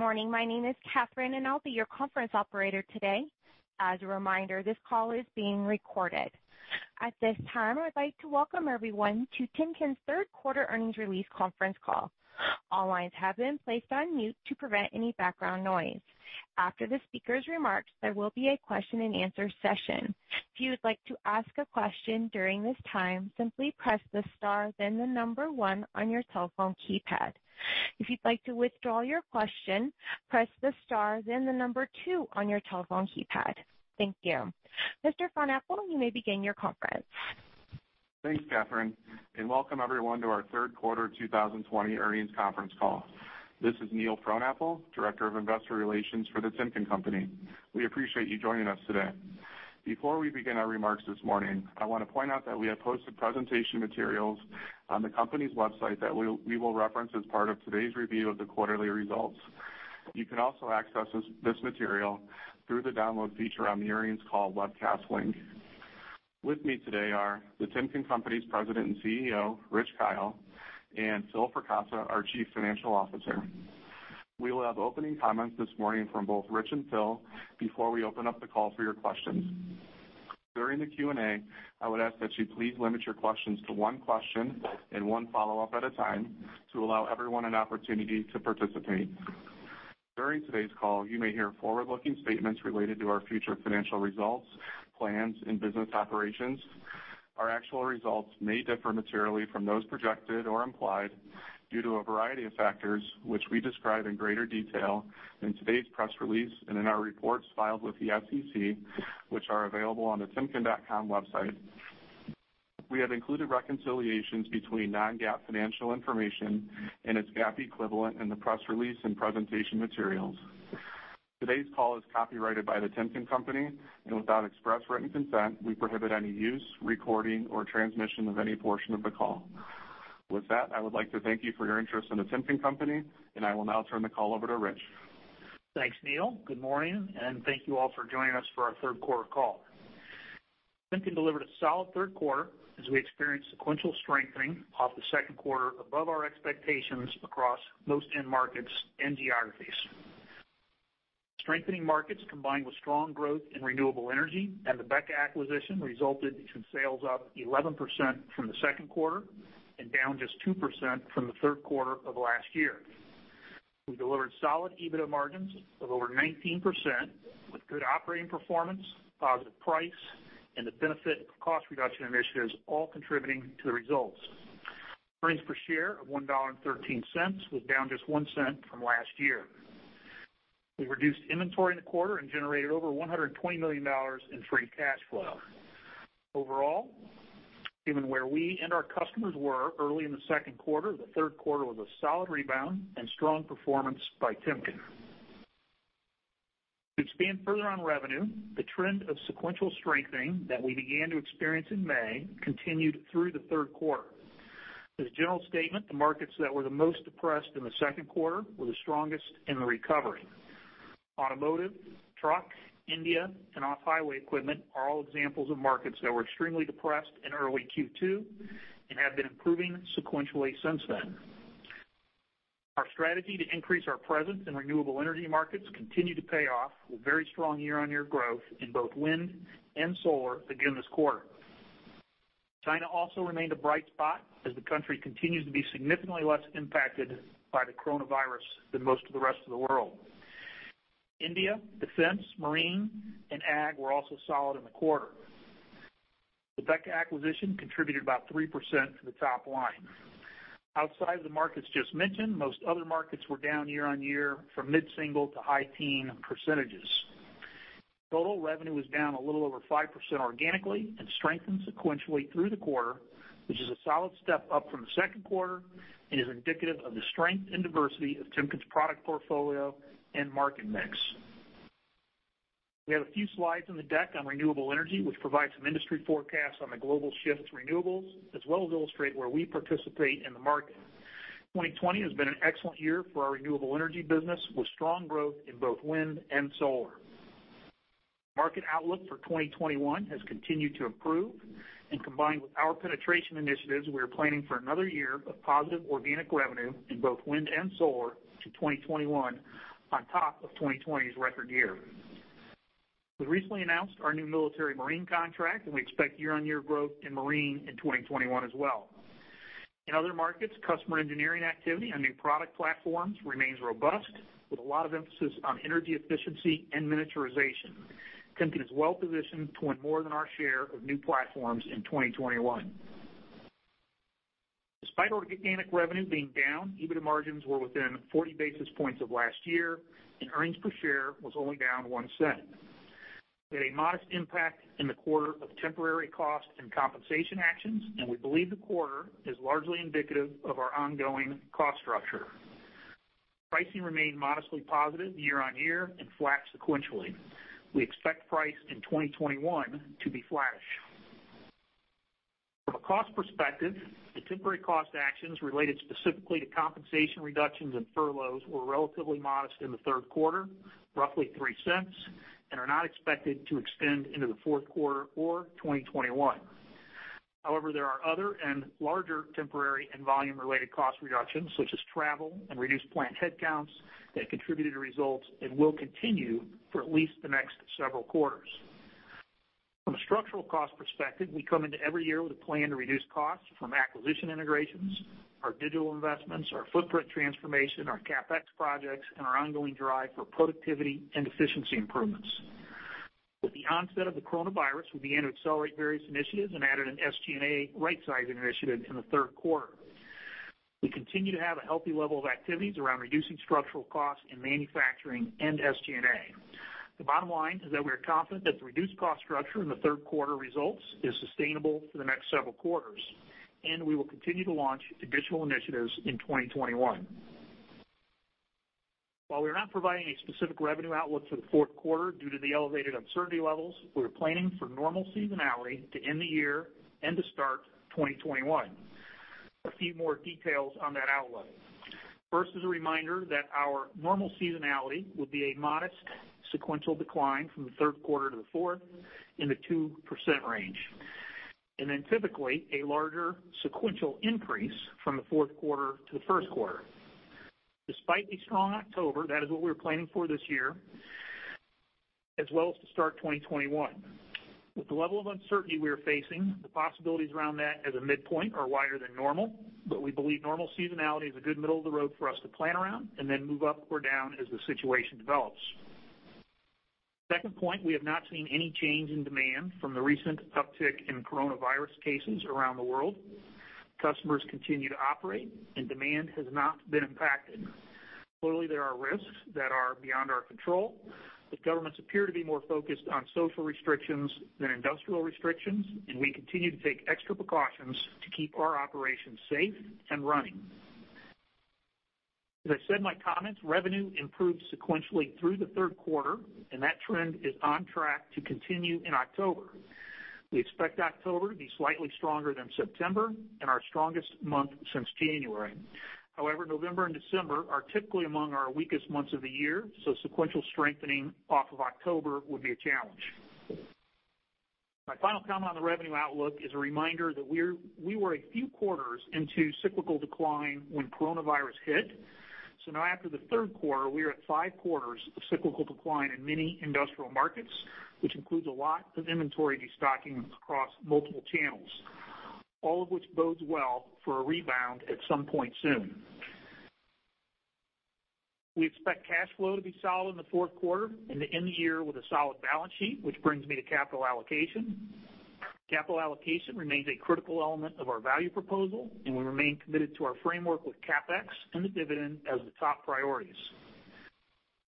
Good morning. My name is Catherine, and I'll be your conference operator today. As a reminder, this call is being recorded. At this time, I'd like to welcome everyone to Timken's third quarter earnings release conference call. All lines have been placed on mute to prevent any background noise. After the speaker's remarks, there will be a question and answer session. If you would like to ask a question during this time, simply press the star, then the number one on your telephone keypad. If you'd like to withdraw your question, press the star, then the number two on your telephone keypad. Thank you. Mr. Frohnapple, you may begin your conference. Thanks, Catherine, welcome everyone to our third quarter 2020 earnings conference call. This is Neil Frohnapple, Director of Investor Relations for The Timken Company. We appreciate you joining us today. Before we begin our remarks this morning, I want to point out that we have posted presentation materials on the company's website that we will reference as part of today's review of the quarterly results. You can also access this material through the Download feature on the earnings call webcast link. With me today are The Timken Company's President and CEO, Rich Kyle, and Phil Fracassa, our Chief Financial Officer. We will have opening comments this morning from both Rich and Phil before we open up the call for your questions. During the Q&A, I would ask that you please limit your questions to one question and one follow-up at a time to allow everyone an opportunity to participate. During today's call, you may hear forward-looking statements related to our future financial results, plans, and business operations. Our actual results may differ materially from those projected or implied due to a variety of factors, which we describe in greater detail in today's press release and in our reports filed with the SEC, which are available on the timken.com website. We have included reconciliations between non-GAAP financial information and its GAAP equivalent in the press release and presentation materials. Today's call is copyrighted by The Timken Company, and without express written consent, we prohibit any use, recording, or transmission of any portion of the call. With that, I would like to thank you for your interest in The Timken Company, and I will now turn the call over to Rich. Thanks, Neil. Good morning, and thank you all for joining us for our third quarter call. Timken delivered a solid third quarter as we experienced sequential strengthening off the second quarter above our expectations across most end markets and geographies. Strengthening markets, combined with strong growth in renewable energy and the BEKA acquisition, resulted in sales up 11% from the second quarter and down just 2% from the third quarter of last year. We delivered solid EBITDA margins of over 19% with good operating performance, positive price, and the benefit of cost reduction initiatives all contributing to the results. Earnings per share of $1.13 was down just $0.01 from last year. We reduced inventory in the quarter and generated over $120 million in free cash flow. Overall, given where we and our customers were early in the second quarter, the third quarter was a solid rebound and strong performance by Timken. To expand further on revenue, the trend of sequential strengthening that we began to experience in May continued through the third quarter. As a general statement, the markets that were the most depressed in the second quarter were the strongest in the recovery. Automotive, truck, India, and off-highway equipment are all examples of markets that were extremely depressed in early Q2 and have been improving sequentially since then. Our strategy to increase our presence in renewable energy markets continue to pay off with very strong year-on-year growth in both wind and solar again this quarter. China also remained a bright spot as the country continues to be significantly less impacted by the coronavirus than most of the rest of the world. India, defense, marine, and ag were also solid in the quarter. The BEKA acquisition contributed about 3% to the top line. Outside of the markets just mentioned, most other markets were down year-on-year from mid-single to high teen percentage. Total revenue was down a little over 5% organically and strengthened sequentially through the quarter, which is a solid step up from the second quarter and is indicative of the strength and diversity of Timken's product portfolio and market mix. We have a few slides in the deck on renewable energy, which provide some industry forecasts on the global shift to renewables, as well as illustrate where we participate in the market. 2020 has been an excellent year for our renewable energy business, with strong growth in both wind and solar. Market outlook for 2021 has continued to improve. Combined with our penetration initiatives, we are planning for another year of positive organic revenue in both wind and solar to 2021 on top of 2020's record year. We recently announced our new military marine contract, and we expect year-on-year growth in marine in 2021 as well. In other markets, customer engineering activity on new product platforms remains robust, with a lot of emphasis on energy efficiency and miniaturization. Timken is well-positioned to win more than our share of new platforms in 2021. Despite organic revenue being down, EBITDA margins were within 40 basis points of last year, and earnings per share was only down $0.01. We had a modest impact in the quarter of temporary cost and compensation actions, and we believe the quarter is largely indicative of our ongoing cost structure. Pricing remained modestly positive year-on-year and flat sequentially. We expect price in 2021 to be flattish. From a cost perspective, the temporary cost actions related specifically to compensation reductions and furloughs were relatively modest in the third quarter, roughly $0.03, and are not expected to extend into the fourth quarter or 2021. However, there are other and larger temporary and volume-related cost reductions, such as travel and reduced plant headcounts that contributed to results and will continue for at least the next several quarters. From a structural cost perspective, we come into every year with a plan to reduce costs from acquisition integrations, our digital investments, our footprint transformation, our CapEx projects, and our ongoing drive for productivity and efficiency improvements. With the onset of the coronavirus, we began to accelerate various initiatives and added an SG&A rightsizing initiative in the third quarter. We continue to have a healthy level of activities around reducing structural costs in manufacturing and SG&A. The bottom line is that we are confident that the reduced cost structure in the third quarter results is sustainable for the next several quarters, and we will continue to launch additional initiatives in 2021. While we are not providing a specific revenue outlook for the fourth quarter due to the elevated uncertainty levels, we are planning for normal seasonality to end the year and to start 2021. A few more details on that outlook. First is a reminder that our normal seasonality would be a modest sequential decline from the third quarter to the fourth in the 2% range. Typically, a larger sequential increase from the fourth quarter to the first quarter. Despite a strong October, that is what we are planning for this year, as well as to start 2021. With the level of uncertainty we are facing, the possibilities around that as a midpoint are wider than normal, but we believe normal seasonality is a good middle of the road for us to plan around and then move up or down as the situation develops. Second point, we have not seen any change in demand from the recent uptick in coronavirus cases around the world. Customers continue to operate and demand has not been impacted. Clearly, there are risks that are beyond our control, but governments appear to be more focused on social restrictions than industrial restrictions, and we continue to take extra precautions to keep our operations safe and running. As I said in my comments, revenue improved sequentially through the third quarter, and that trend is on track to continue in October. We expect October to be slightly stronger than September and our strongest month since January. However, November and December are typically among our weakest months of the year, so sequential strengthening off of October would be a challenge. My final comment on the revenue outlook is a reminder that we were a few quarters into cyclical decline when COVID hit. Now after the third quarter, we are at five quarters of cyclical decline in many industrial markets, which includes a lot of inventory destockings across multiple channels, all of which bodes well for a rebound at some point soon. We expect cash flow to be solid in the fourth quarter and to end the year with a solid balance sheet, which brings me to capital allocation. Capital allocation remains a critical element of our value proposal, and we remain committed to our framework with CapEx and the dividend as the top priorities.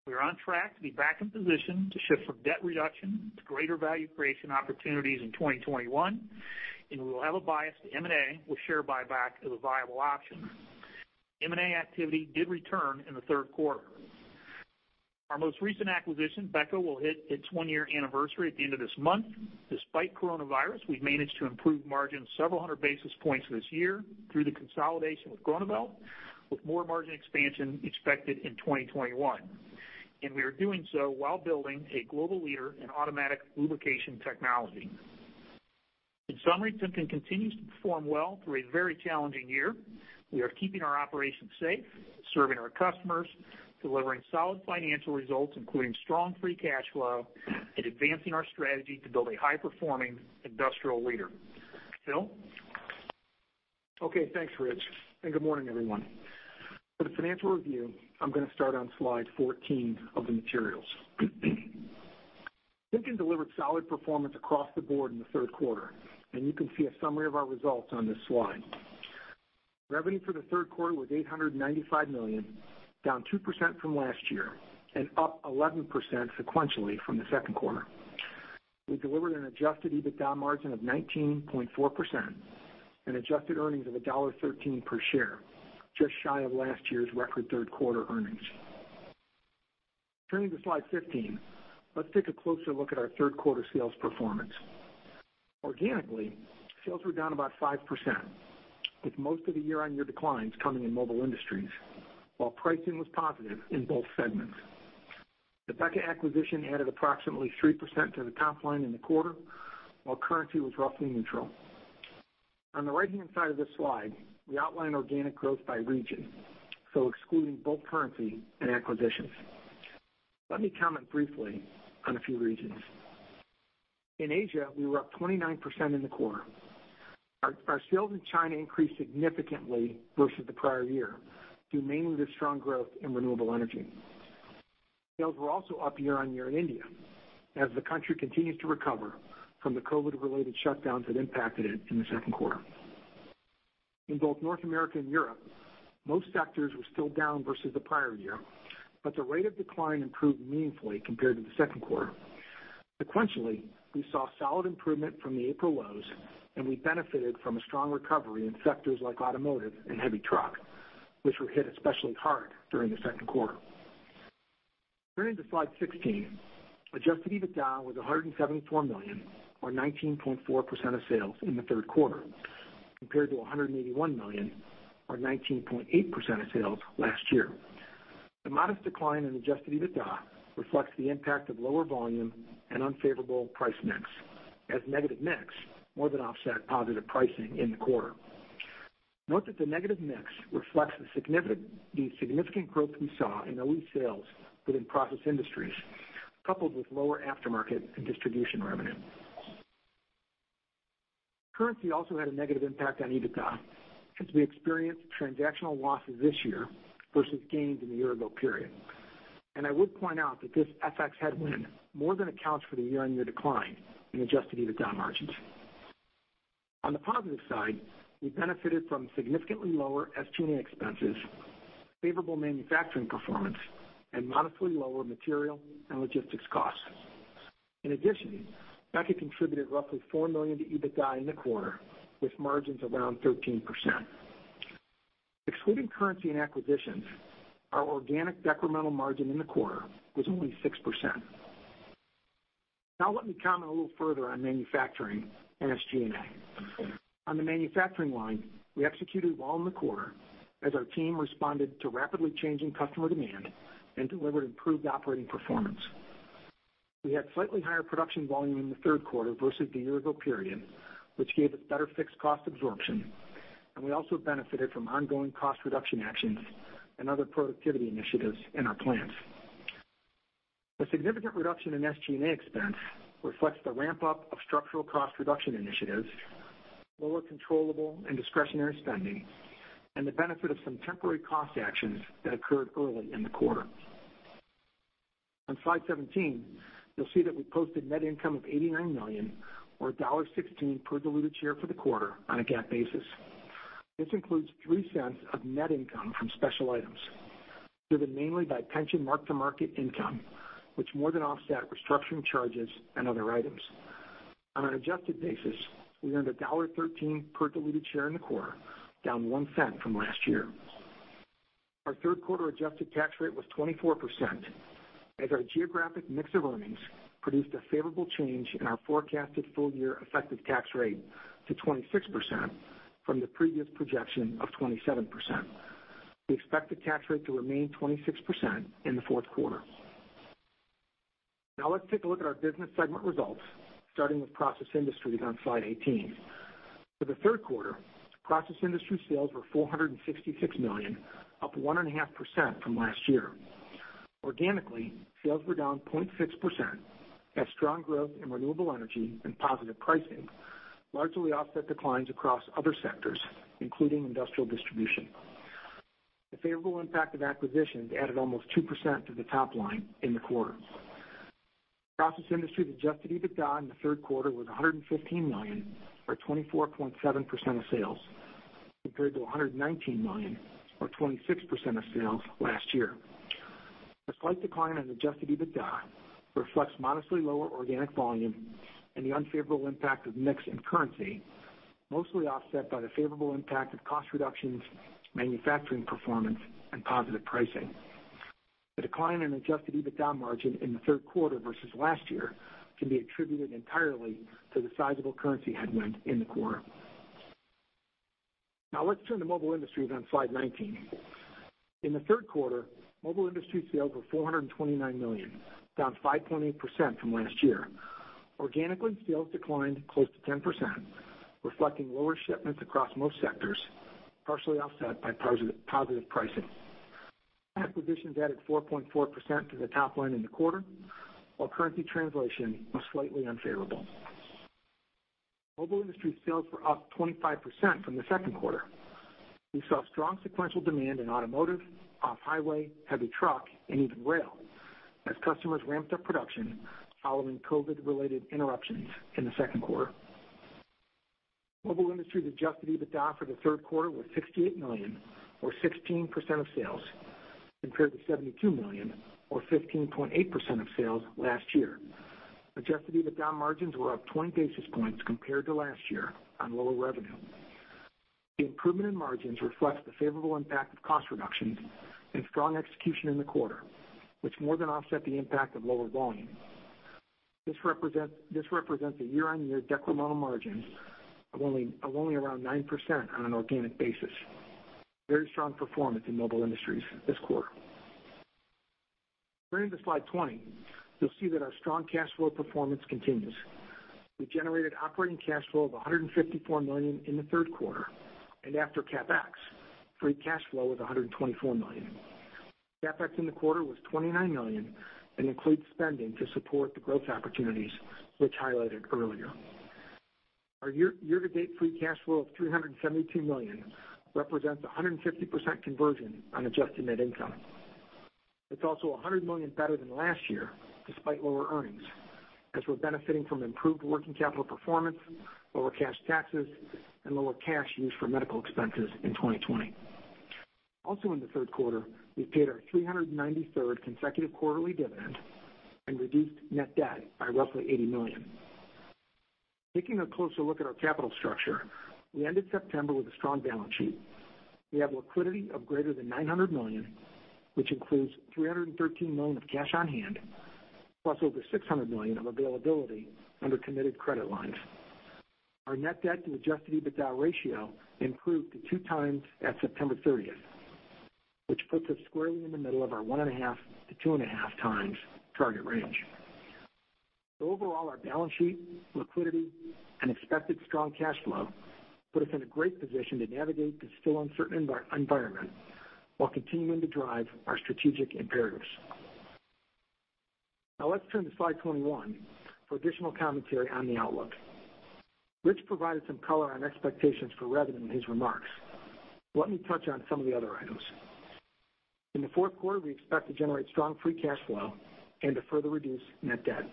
We are on track to be back in position to shift from debt reduction to greater value creation opportunities in 2021. We will have a bias to M&A with share buyback as a viable option. M&A activity did return in the third quarter. Our most recent acquisition, BEKA, will hit its one-year anniversary at the end of this month. Despite coronavirus, we've managed to improve margins several hundred basis points this year through the consolidation with Groeneveld, with more margin expansion expected in 2021. We are doing so while building a global leader in automatic lubrication technology. In summary, Timken continues to perform well through a very challenging year. We are keeping our operations safe, serving our customers, delivering solid financial results, including strong free cash flow, and advancing our strategy to build a high-performing industrial leader. Phil? Okay, thanks, Rich, and good morning, everyone. For the financial review, I'm going to start on slide 14 of the materials. Timken delivered solid performance across the board in the third quarter, and you can see a summary of our results on this slide. Revenue for the third quarter was $895 million, down 2% from last year, and up 11% sequentially from the second quarter. We delivered an adjusted EBITDA margin of 19.4% and adjusted earnings of $1.13 per share, just shy of last year's record third quarter earnings. Turning to slide 15, let's take a closer look at our third quarter sales performance. Organically, sales were down about 5%, with most of the year-on-year declines coming in Mobile Industries, while pricing was positive in both segments. The BEKA acquisition added approximately 3% to the top line in the quarter, while currency was roughly neutral. On the right-hand side of this slide, we outline organic growth by region, excluding both currency and acquisitions. Let me comment briefly on a few regions. In Asia, we were up 29% in the quarter. Our sales in China increased significantly versus the prior year, due mainly to strong growth in renewable energy. Sales were also up year-on-year in India, as the country continues to recover from the COVID-related shutdowns that impacted it in the second quarter. In both North America and Europe, most sectors were still down versus the prior year, the rate of decline improved meaningfully compared to the second quarter. Sequentially, we saw solid improvement from the April lows, we benefited from a strong recovery in sectors like automotive and heavy truck, which were hit especially hard during the second quarter. Turning to slide 16, adjusted EBITDA was $174 million or 19.4% of sales in the third quarter. Compared to $181 million or 19.8% of sales last year. The modest decline in adjusted EBITDA reflects the impact of lower volume and unfavorable price mix, as negative mix more than offset positive pricing in the quarter. Note that the negative mix reflects the significant growth we saw in OE sales within Process Industries, coupled with lower aftermarket and distribution revenue. Currency also had a negative impact on EBITDA, since we experienced transactional losses this year versus gains in the year-ago period. I would point out that this FX headwind more than accounts for the year-on-year decline in adjusted EBITDA margins. On the positive side, we benefited from significantly lower SG&A expenses, favorable manufacturing performance, and modestly lower material and logistics costs. In addition, BEKA contributed roughly $4 million to EBITDA in the quarter, with margins around 13%. Excluding currency and acquisitions, our organic decremental margin in the quarter was only 6%. Let me comment a little further on manufacturing and SG&A. On the manufacturing line, we executed well in the quarter as our team responded to rapidly changing customer demand and delivered improved operating performance. We had slightly higher production volume in the third quarter versus the year-ago period, which gave us better fixed cost absorption, and we also benefited from ongoing cost reduction actions and other productivity initiatives in our plants. The significant reduction in SG&A expense reflects the ramp-up of structural cost reduction initiatives, lower controllable and discretionary spending, and the benefit of some temporary cost actions that occurred early in the quarter. On slide 17, you'll see that we posted net income of $89 million or $1.16 per diluted share for the quarter on a GAAP basis. This includes $0.03 of net income from special items, driven mainly by pension mark-to-market income, which more than offset restructuring charges and other items. On an adjusted basis, we earned $1.13 per diluted share in the quarter, down $0.01 from last year. Our third quarter adjusted tax rate was 24%, as our geographic mix of earnings produced a favorable change in our forecasted full year effective tax rate to 26% from the previous projection of 27%. We expect the tax rate to remain 26% in the fourth quarter. Now let's take a look at our business segment results, starting with Process Industries on slide 18. For the third quarter, Process Industries sales were $466 million, up 1.5% from last year. Organically, sales were down 0.6%, as strong growth in renewable energy and positive pricing largely offset declines across other sectors, including industrial distribution. The favorable impact of acquisitions added almost 2% to the top line in the quarter. Process Industries adjusted EBITDA in the third quarter was $115 million, or 24.7% of sales, compared to $119 million, or 26% of sales last year. A slight decline in adjusted EBITDA reflects modestly lower organic volume and the unfavorable impact of mix and currency, mostly offset by the favorable impact of cost reductions, manufacturing performance, and positive pricing. The decline in adjusted EBITDA margin in the third quarter versus last year can be attributed entirely to the sizable currency headwind in the quarter. Now let's turn to Mobile Industries on slide 19. In the third quarter, Mobile Industries sales were $429 million, down 5.8% from last year. Organically, sales declined close to 10%, reflecting lower shipments across most sectors, partially offset by positive pricing. Acquisitions added 4.4% to the top line in the quarter, while currency translation was slightly unfavorable. Mobile Industries sales were up 25% from the second quarter. We saw strong sequential demand in automotive, off-highway, heavy truck, and even rail as customers ramped up production following COVID-related interruptions in the second quarter. Mobile Industries adjusted EBITDA for the third quarter was $68 million, or 16% of sales, compared to $72 million, or 15.8% of sales last year. Adjusted EBITDA margins were up 20 basis points compared to last year on lower revenue. The improvement in margins reflects the favorable impact of cost reductions and strong execution in the quarter, which more than offset the impact of lower volume. This represents a year-on-year decremental margin of only around 9% on an organic basis. Very strong performance in Mobile Industries this quarter. Turning to slide 20, you'll see that our strong cash flow performance continues. We generated operating cash flow of $154 million in the third quarter, and after CapEx, free cash flow of $124 million. CapEx in the quarter was $29 million and includes spending to support the growth opportunities which highlighted earlier. Our year-to-date free cash flow of $372 million represents 150% conversion on adjusted net income. It's also $100 million better than last year, despite lower earnings, as we're benefiting from improved working capital performance, lower cash taxes, and lower cash used for medical expenses in 2020. In the third quarter, we paid our 393rd consecutive quarterly dividend and reduced net debt by roughly $80 million. Taking a closer look at our capital structure, we ended September with a strong balance sheet. We have liquidity of greater than $900 million, which includes $313 million of cash on hand, plus over $600 million of availability under committed credit lines. Our net debt to adjusted EBITDA ratio improved to 2x at September 30th, which puts us squarely in the middle of our 1.5x-2.5x target range. Overall, our balance sheet, liquidity, and expected strong cash flow put us in a great position to navigate the still uncertain environment while continuing to drive our strategic imperatives. Let's turn to slide 21 for additional commentary on the outlook. Rich provided some color on expectations for revenue in his remarks. Let me touch on some of the other items. In the fourth quarter, we expect to generate strong free cash flow and to further reduce net debt.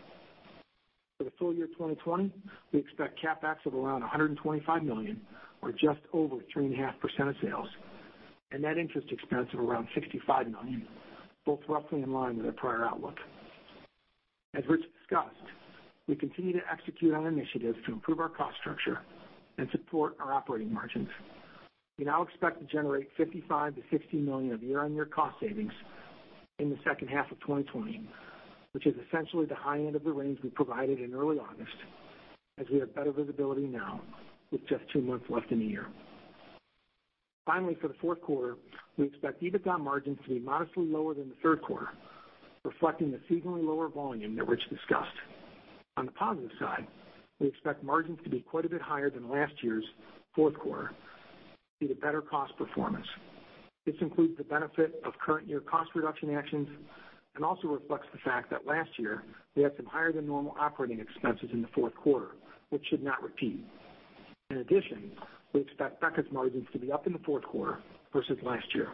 For the full year 2020, we expect CapEx of around $125 million or just over 3.5% of sales, and net interest expense of around $65 million, both roughly in line with our prior outlook. As Rich discussed, we continue to execute on initiatives to improve our cost structure and support our operating margins. We now expect to generate $55 million-$60 million of year-on-year cost savings in the second half of 2020, which is essentially the high end of the range we provided in early August, as we have better visibility now with just two months left in the year. For the fourth quarter, we expect EBITDA margins to be modestly lower than the third quarter, reflecting the seasonally lower volume that Rich discussed. On the positive side, we expect margins to be quite a bit higher than last year's fourth quarter due to better cost performance. This includes the benefit of current year cost reduction actions and also reflects the fact that last year we had some higher than normal operating expenses in the fourth quarter, which should not repeat. In addition, we expect BEKA's margins to be up in the fourth quarter versus last year.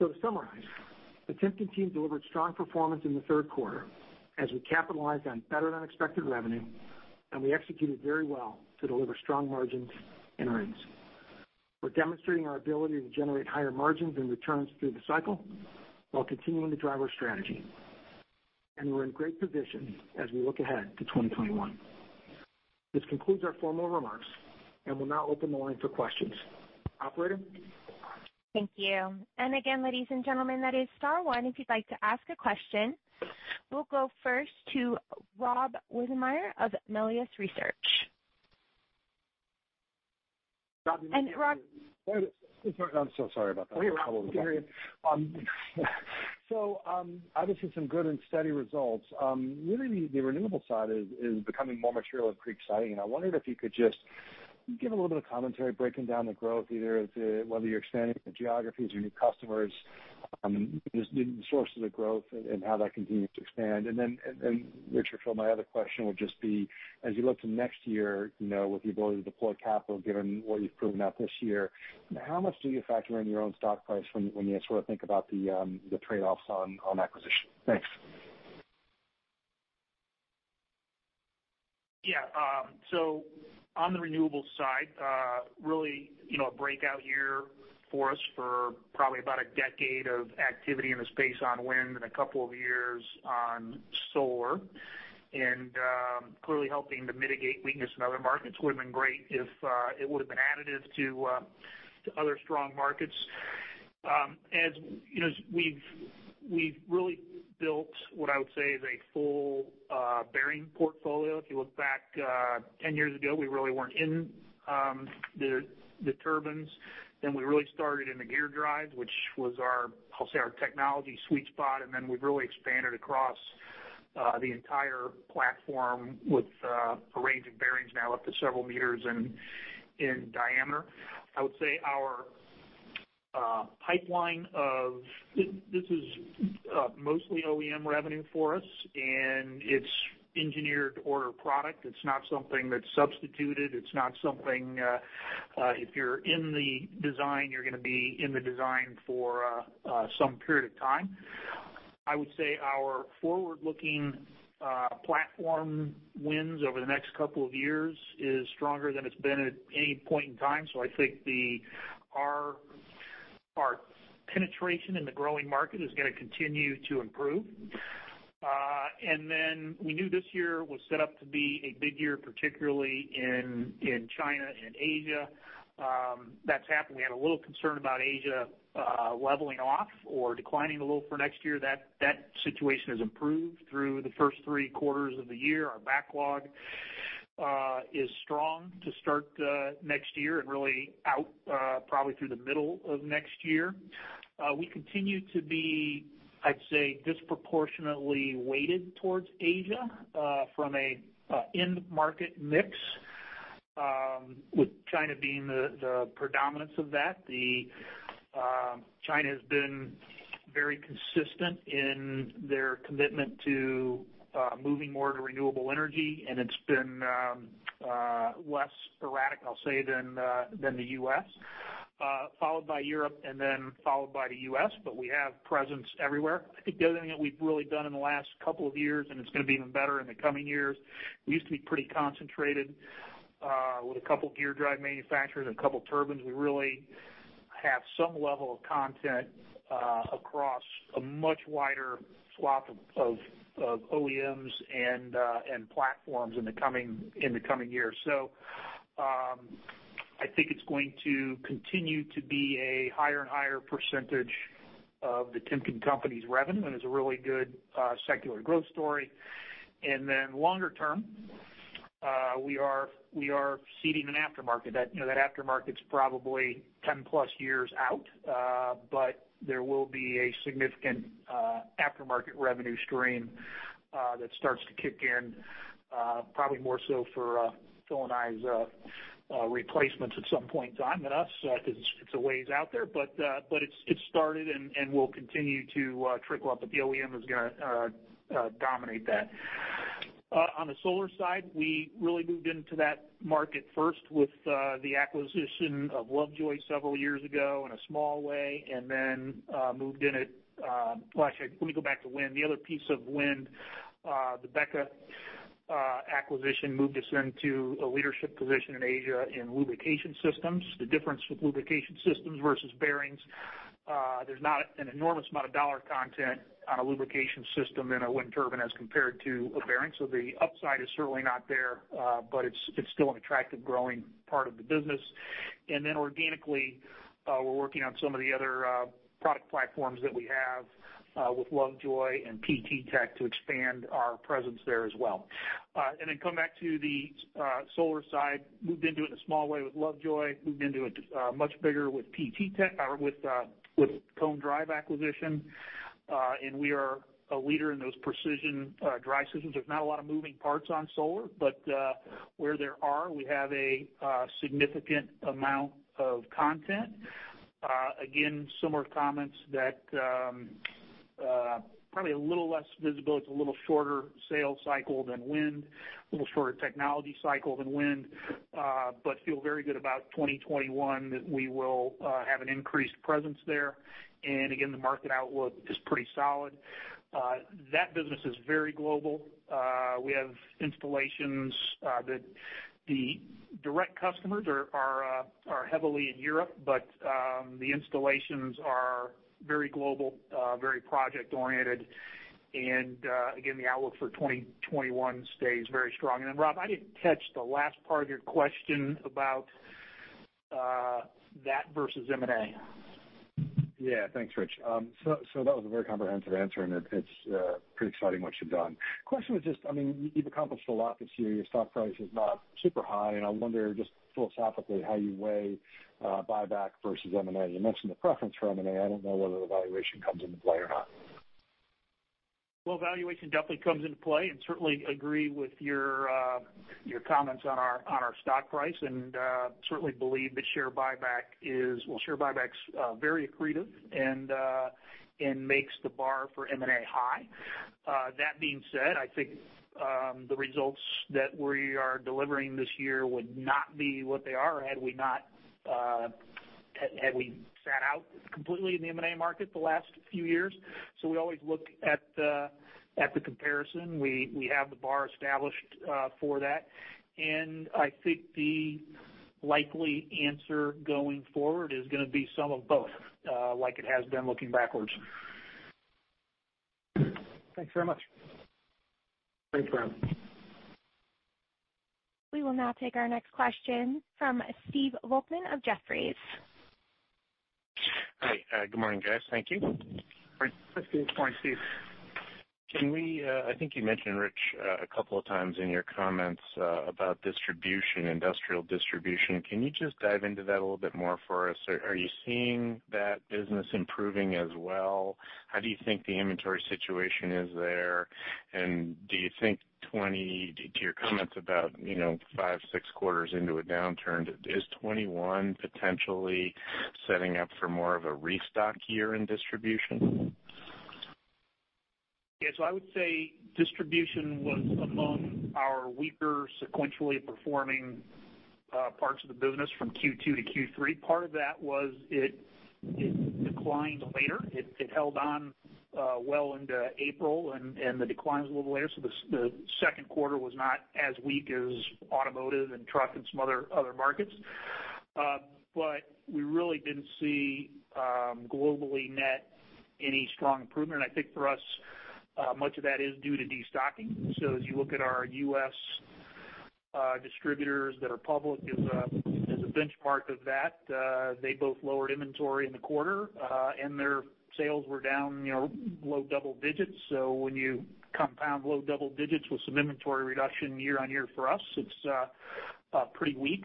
To summarize, the Timken team delivered strong performance in the third quarter as we capitalized on better-than-expected revenue, and we executed very well to deliver strong margins and earnings. We're demonstrating our ability to generate higher margins and returns through the cycle while continuing to drive our strategy. We're in great position as we look ahead to 2021. This concludes our formal remarks, and we'll now open the line for questions. Operator? Thank you. Again, ladies and gentlemen, that is star one if you'd like to ask a question. We'll go first to Rob Wertheimer of Melius Research. Rob- I'm so sorry about that. Oh, you're good. Obviously some good and steady results. Really, the renewable side is becoming more material and pretty exciting, and I wondered if you could just give a little bit of commentary breaking down the growth, either whether you're expanding the geographies or new customers, just the source of the growth and how that continues to expand. Then Rich, for my other question would just be, as you look to next year, with the ability to deploy capital given what you've proven out this year, how much do you factor in your own stock price when you think about the trade-offs on acquisition? Thanks. Yeah. On the renewables side, really a breakout year for us for probably about a decade of activity in the space on wind and a couple of years on solar, and clearly helping to mitigate weakness in other markets. Would've been great if it would've been additive to other strong markets. As we've really built what I would say is a full bearing portfolio. If you look back 10 years ago, we really weren't in the turbines. We really started in the gear drives, which was our, I'll say, our technology sweet spot, and then we've really expanded across the entire platform with a range of bearings now up to several meters in diameter. I would say our pipeline this is mostly OEM revenue for us, and it's engineered order product. It's not something that's substituted. It's not something, if you're in the design, you're gonna be in the design for some period of time. I would say our forward-looking platform wins over the next couple of years is stronger than it's been at any point in time. I think our penetration in the growing market is gonna continue to improve. We knew this year was set up to be a big year, particularly in China and Asia. That's happened. We had a little concern about Asia leveling off or declining a little for next year. That situation has improved through the first three quarters of the year. Our backlog is strong to start next year and really out probably through the middle of next year. We continue to be, I'd say, disproportionately weighted towards Asia from an end market mix, with China being the predominance of that. China has been very consistent in their commitment to moving more to renewable energy, and it's been less erratic, I'll say, than the U.S., followed by Europe and then followed by the U.S., but we have presence everywhere. I think the other thing that we've really done in the last couple of years, and it's gonna be even better in the coming years, we used to be pretty concentrated with a couple of gear drive manufacturers and a couple of turbines. We really have some level of content across a much wider swath of OEMs and platforms in the coming year. I think it's going to continue to be a higher and higher percentage of the Timken Company's revenue, and is a really good secular growth story. Longer term, we are seeding an aftermarket. That aftermarket's probably 10+ years out, there will be a significant aftermarket revenue stream that starts to kick in, probably more so for Phil and I's replacements at some point in time than us, because it's a ways out there. It's started and will continue to trickle up, the OEM is going to dominate that. On the solar side, we really moved into that market first with the acquisition of Lovejoy several years ago in a small way. Well, actually, let me go back to wind. The other piece of wind, the BEKA acquisition, moved us into a leadership position in Asia in lubrication systems. The difference with lubrication systems versus bearings, there's not an enormous amount of dollar content on a lubrication system in a wind turbine as compared to a bearing. The upside is certainly not there, but it's still an attractive growing part of the business. Organically, we're working on some of the other product platforms that we have with Lovejoy and PT Tech to expand our presence there as well. Come back to the solar side, moved into it in a small way with Lovejoy, moved into it much bigger with Cone Drive acquisition. We are a leader in those precision drive systems. There's not a lot of moving parts on solar, but where there are, we have a significant amount of content. Similar comments that probably a little less visibility, it's a little shorter sales cycle than wind, a little shorter technology cycle than wind, but feel very good about 2021 that we will have an increased presence there. The market outlook is pretty solid. That business is very global. We have installations that the direct customers are heavily in Europe, the installations are very global, very project-oriented. The outlook for 2021 stays very strong. Then Rob, I didn't catch the last part of your question about that versus M&A. Yeah, thanks, Rich. That was a very comprehensive answer, and it's pretty exciting what you've done. You've accomplished a lot this year. Your stock price is not super high, and I wonder just philosophically how you weigh buyback versus M&A. You mentioned the preference for M&A. I don't know whether the valuation comes into play or not. Valuation definitely comes into play, and certainly agree with your comments on our stock price, and certainly believe that share buyback is very accretive and makes the bar for M&A high. That being said, I think the results that we are delivering this year would not be what they are had we sat out completely in the M&A market the last few years. We always look at the comparison. We have the bar established for that. I think the likely answer going forward is going to be some of both, like it has been looking backwards. Thanks very much. Thanks, Rob. We will now take our next question from Steve Volkmann of Jefferies. Hi. Good morning, guys. Thank you. Good morning, Steve. I think you mentioned, Rich, a couple of times in your comments about distribution, industrial distribution. Can you just dive into that a little bit more for us? Are you seeing that business improving as well? How do you think the inventory situation is there? To your comments about five, six quarters into a downturn, is 2021 potentially setting up for more of a restock year in distribution? Yeah. I would say distribution was among our weaker sequentially performing parts of the business from Q2 to Q3. Part of that was it declined later. It held on well into April, and the decline's a little later. The second quarter was not as weak as automotive and truck and some other markets. We really didn't see globally net any strong improvement. I think for us, much of that is due to destocking. As you look at our U.S. distributors that are public as a benchmark of that, they both lowered inventory in the quarter, and their sales were down low double digits. When you compound low double digits with some inventory reduction year-on-year for us, it's pretty weak.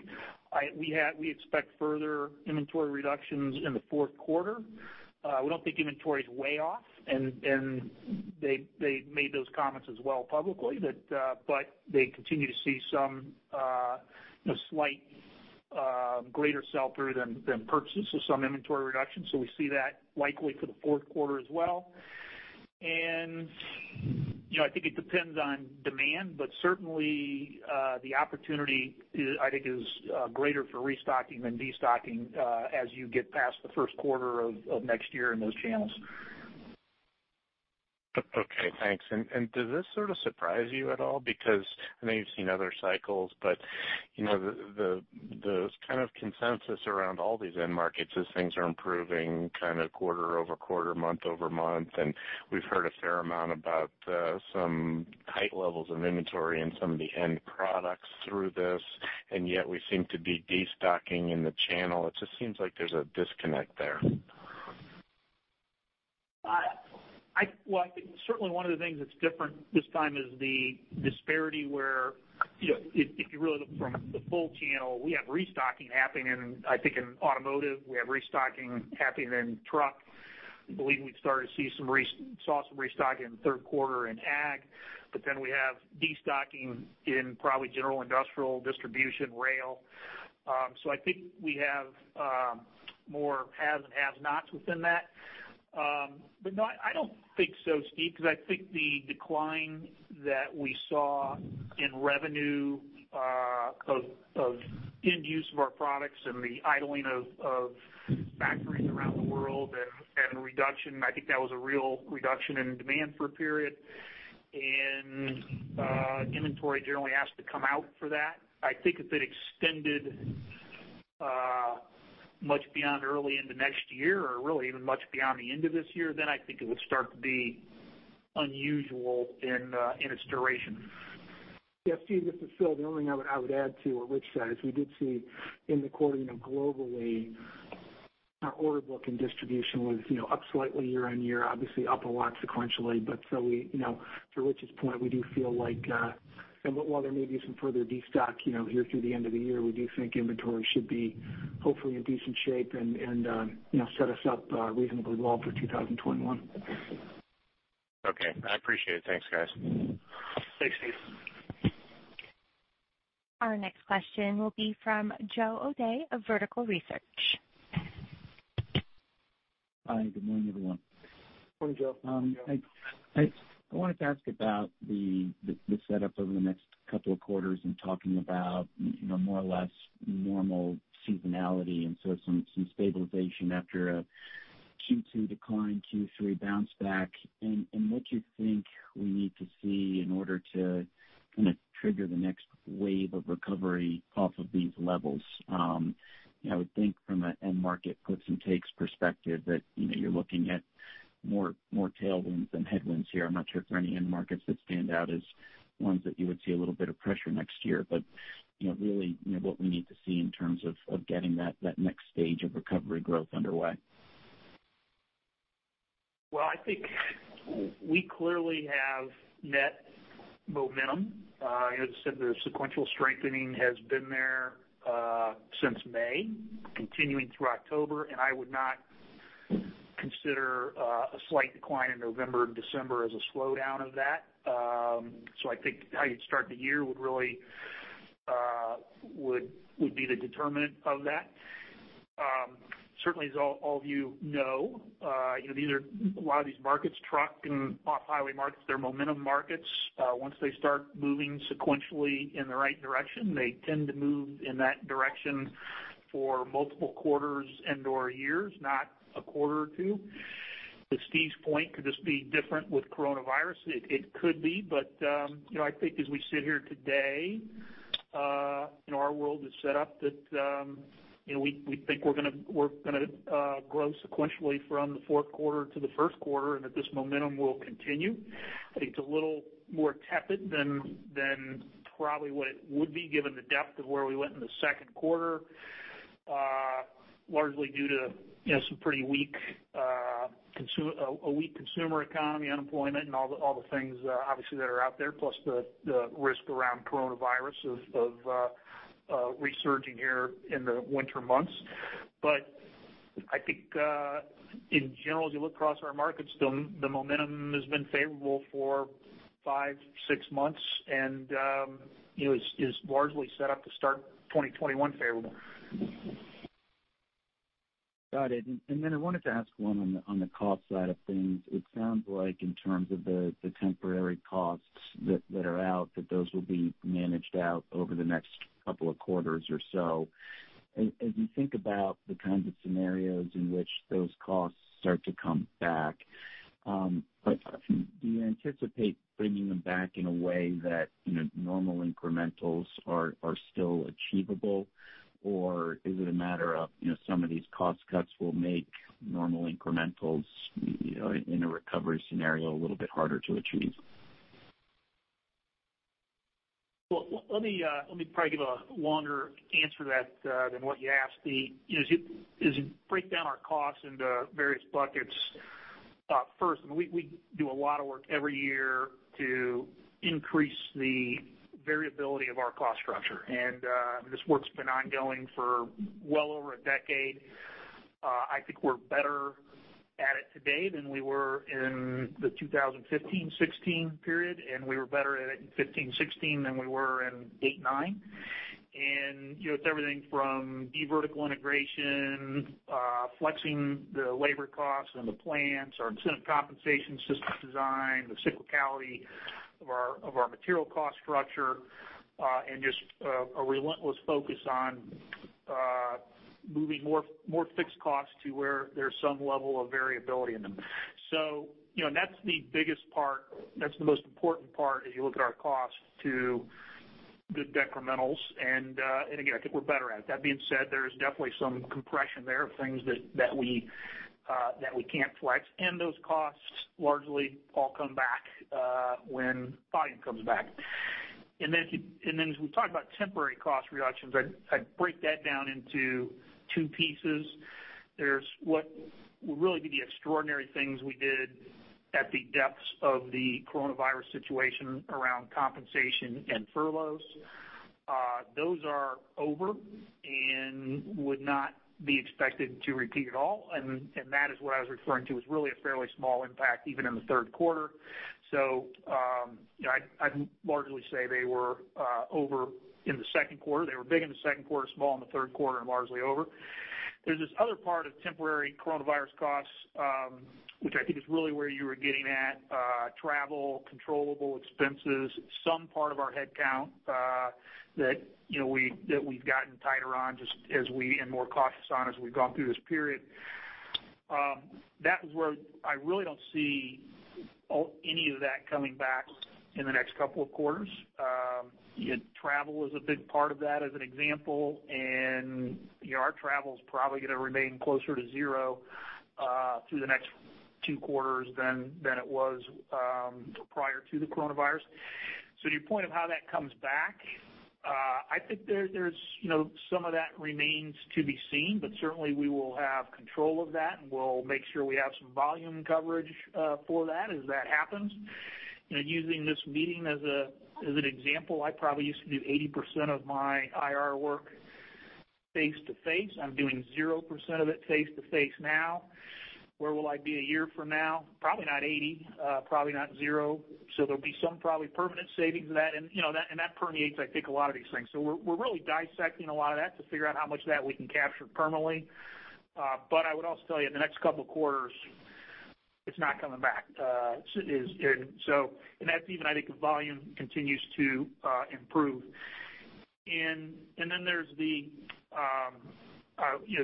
We expect further inventory reductions in the fourth quarter. We don't think inventory's way off, and they made those comments as well publicly, but they continue to see some slight greater sell-through than purchase. Some inventory reduction. We see that likely for the fourth quarter as well. I think it depends on demand, but certainly the opportunity, I think, is greater for restocking than destocking as you get past the first quarter of next year in those channels. Okay, thanks. Does this sort of surprise you at all? I know you've seen other cycles, but the kind of consensus around all these end markets is things are improving kind of quarter-over-quarter, month-over-month, and we've heard a fair amount about some high levels of inventory and some of the end products through this, and yet we seem to be destocking in the channel. It just seems like there's a disconnect there. I think certainly one of the things that's different this time is the disparity where, if you really look from the full channel, we have restocking happening in, I think, in automotive. We have restocking happening in truck. I believe we saw some restocking in the third quarter in Ag, but then we have destocking in probably general industrial distribution rail. I think we have more haves and have-nots within that. No, I don't think so, Steve, because I think the decline that we saw in revenue of end use of our products and the idling of factories around the world and reduction, I think that was a real reduction in demand for a period. Inventory generally has to come out for that. I think if it extended much beyond early into next year or really even much beyond the end of this year, then I think it would start to be unusual in its duration. Steve, this is Phil. The only thing I would add to what Rich said is we did see in the quarter, globally, our order book and distribution was up slightly year on year, obviously up a lot sequentially. To Rich's point, we do feel like while there may be some further destock here through the end of the year, we do think inventory should be hopefully in decent shape and set us up reasonably well for 2021. Okay. I appreciate it. Thanks, guys. Thanks, Steve. Our next question will be from Joe O'Dea of Vertical Research. Hi, good morning, everyone. Morning, Joe. Joe. I wanted to ask about the setup over the next couple of quarters, and talking about more or less normal seasonality and so some stabilization after a Q2 decline, Q3 bounce back, and what you think we need to see in order to kind of trigger the next wave of recovery off of these levels. I would think from an end market gives and takes perspective that you're looking at more tailwinds than headwinds here. I'm not sure if there are any end markets that stand out as ones that you would see a little bit of pressure next year, but really, what we need to see in terms of getting that next stage of recovery growth underway. Well, I think we clearly have net momentum. As I said, the sequential strengthening has been there since May, continuing through October, and I would not consider a slight decline in November and December as a slowdown of that. I think how you'd start the year would be the determinant of that. Certainly, as all of you know, a lot of these markets, truck and off-highway markets, they're momentum markets. Once they start moving sequentially in the right direction, they tend to move in that direction for multiple quarters and/or years, not a quarter or two. To Steve's point, could this be different with coronavirus? It could be, but I think as we sit here today, our world is set up that we think we're going to grow sequentially from the fourth quarter to the first quarter, and that this momentum will continue. I think it's a little more tepid than probably what it would be given the depth of where we went in the second quarter, largely due to a weak consumer economy, unemployment, and all the things obviously that are out there, plus the risk around COVID of resurging here in the winter months. I think in general, as you look across our markets, the momentum has been favorable for five, six months and is largely set up to start 2021 favorable. Got it. Then I wanted to ask one on the cost side of things. It sounds like in terms of the temporary costs that are out, that those will be managed out over the next couple of quarters or so. As you think about the kinds of scenarios in which those costs start to come back, do you anticipate bringing them back in a way that normal incrementals are still achievable? Or is it a matter of some of these cost cuts will make normal incrementals in a recovery scenario a little bit harder to achieve? Let me probably give a longer answer to that than what you asked. As you break down our costs into various buckets, first, we do a lot of work every year to increase the variability of our cost structure. This work's been ongoing for well over a decade. I think we're better at it today than we were in the 2015-2016 period, and we were better at it in 2015-2016 than we were in 2008-2009. It's everything from de-vertical integration, flexing the labor costs and the plants, our incentive compensation system design, the cyclicality of our material cost structure, and just a relentless focus on moving more fixed costs to where there's some level of variability in them. That's the biggest part. That's the most important part as you look at our cost to the decrementals. Again, I think we're better at it. That being said, there is definitely some compression there of things that we can't flex, and those costs largely all come back when volume comes back. As we talk about temporary cost reductions, I'd break that down into two pieces. There's what would really be the extraordinary things we did at the depths of the coronavirus situation around compensation and furloughs. Those are over and would not be expected to repeat at all, and that is what I was referring to as really a fairly small impact, even in the third quarter. I'd largely say they were over in the second quarter. They were big in the second quarter, small in the third quarter, and largely over. There's this other part of temporary coronavirus costs, which I think is really where you were getting at, travel, controllable expenses, some part of our headcount that we've gotten tighter on and more cautious on as we've gone through this period. That is where I really don't see any of that coming back in the next couple of quarters. Our travel is probably going to remain closer to zero through the next two quarters than it was prior to the coronavirus. To your point of how that comes back, I think some of that remains to be seen, but certainly we will have control of that, and we'll make sure we have some volume coverage for that as that happens. Using this meeting as an example, I probably used to do 80% of my IR work face-to-face. I'm doing 0% of it face-to-face now. Where will I be a year from now? Probably not 80%, probably not 0%. There'll be some probably permanent savings of that, and that permeates, I think, a lot of these things. We're really dissecting a lot of that to figure out how much of that we can capture permanently. I would also tell you, in the next couple of quarters, it's not coming back. That's even, I think, as volume continues to improve. Then there's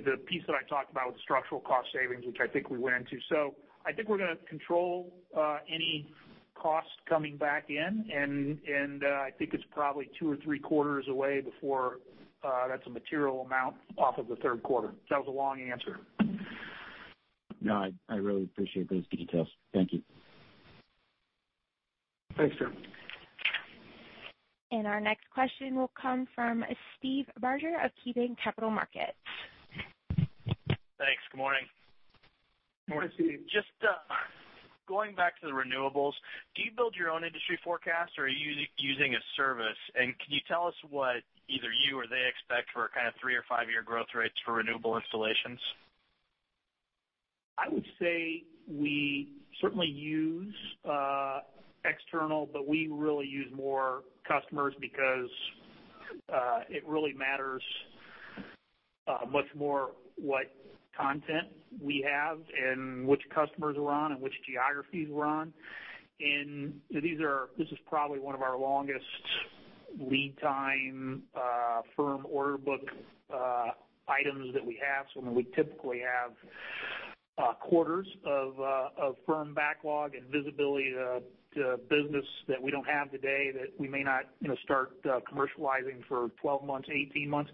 the piece that I talked about with structural cost savings, which I think we went into. I think we're going to control any cost coming back in, and I think it's probably two or three quarters away before that's a material amount off of the third quarter. That was a long answer. No, I really appreciate those details. Thank you. Thanks, Joe. Our next question will come from Steve Barger of KeyBanc Capital Markets. Thanks. Good morning. Morning, Steve. Just going back to the renewables, do you build your own industry forecast, or are you using a service? Can you tell us what either you or they expect for kind of three or five-year growth rates for renewable installations? I would say we certainly use external, but we really use more customers because it really matters much more what content we have and which customers we're on and which geographies we're on. This is probably one of our longest lead time firm order book items that we have. We typically have quarters of firm backlog and visibility to business that we don't have today that we may not start commercializing for 12 months, 18 months.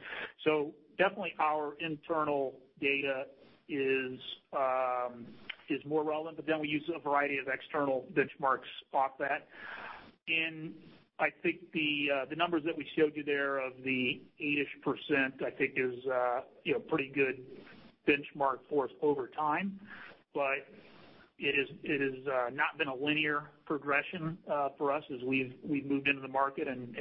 Definitely our internal data is more relevant, we use a variety of external benchmarks off that. I think the numbers that we showed you there of the eight-ish percent, I think, is a pretty good benchmark for us over time. It has not been a linear progression for us as we've moved into the market, and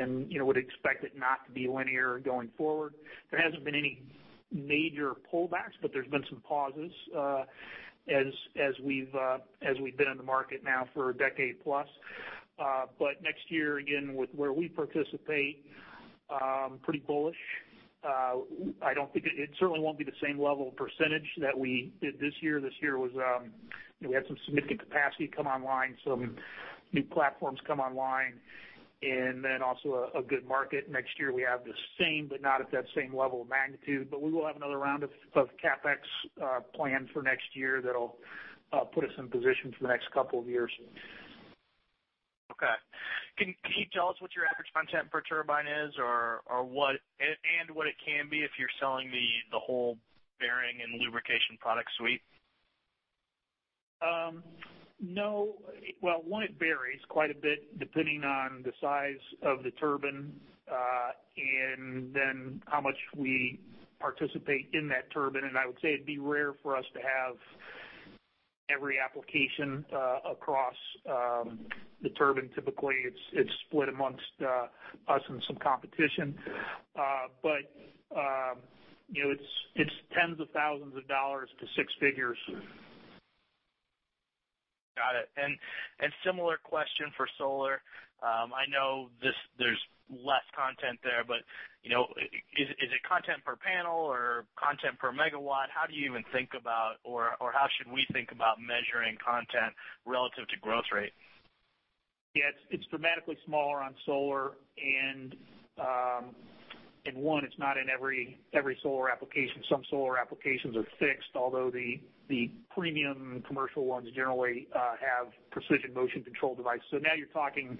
would expect it not to be linear going forward. There hasn't been any major pullbacks, but there's been some pauses as we've been in the market now for a decade plus. Next year, again, where we participate, pretty bullish. It certainly won't be the same level of percentage that we did this year. This year we had some significant capacity come online, some new platforms come online, and then also a good market. Next year we have the same, but not at that same level of magnitude. We will have another round of CapEx planned for next year that'll put us in position for the next couple of years. Okay. Can you tell us what your average content per turbine is, and what it can be if you're selling the whole bearing and lubrication product suite? No. Well, one, it varies quite a bit depending on the size of the turbine, then how much we participate in that turbine. I would say it'd be rare for us to have every application across the turbine. Typically, it's split amongst us and some competition. It's tens of thousands of dollars to six figures. Got it. Similar question for solar. I know there's less content there, but is it content per panel or content per MW? How do you even think about, or how should we think about measuring content relative to growth rate? Yeah. It's dramatically smaller on solar and one, it's not in every solar application. Some solar applications are fixed, although the premium commercial ones generally have precision motion control devices. Now you're talking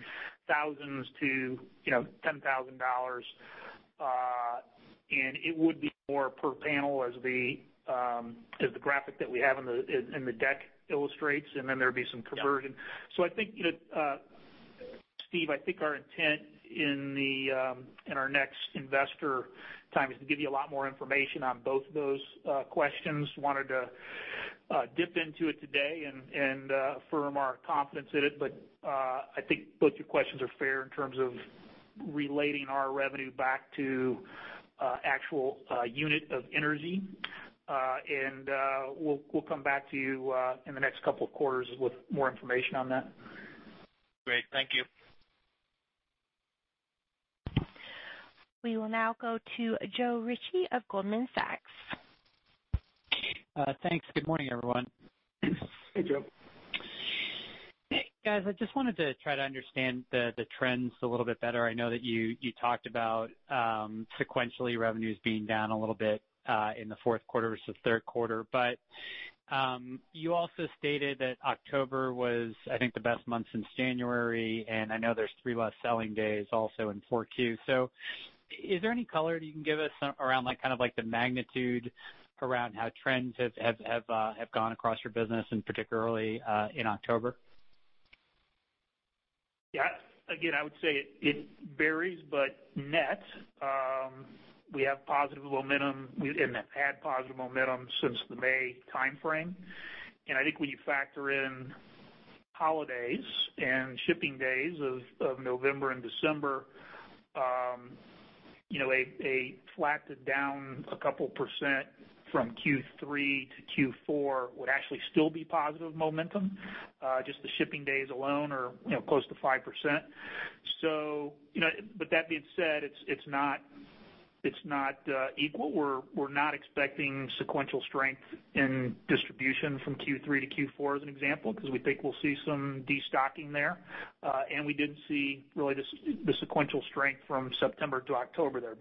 thousands to $10,000. It would be more per panel as the graphic that we have in the deck illustrates, and then there'd be some conversion. Yeah. I think, Steve, I think our intent in our next investor time is to give you a lot more information on both of those questions. Wanted to dip into it today and affirm our confidence in it. I think both your questions are fair in terms of relating our revenue back to actual unit of energy. We'll come back to you in the next couple of quarters with more information on that. Great. Thank you. We will now go to Joe Ritchie of Goldman Sachs. Thanks. Good morning, everyone. Hey, Joe. Hey, guys. I just wanted to try to understand the trends a little bit better. I know that you talked about sequentially revenues being down a little bit in the fourth quarter versus third quarter. You also stated that October was, I think, the best month since January, and I know there's three less selling days also in 4Q. Is there any color you can give us around the magnitude around how trends have gone across your business and particularly in October? Yeah. Again, I would say it varies, but net, we have positive momentum and had positive momentum since the May timeframe. I think when you factor in holidays and shipping days of November and December, a flat to down a couple of percent from Q3 to Q4 would actually still be positive momentum. Just the shipping days alone are close to 5%. That being said, it's not equal. We're not expecting sequential strength in distribution from Q3 to Q4 as an example, because we think we'll see some destocking there. We did see really the sequential strength from September to October there.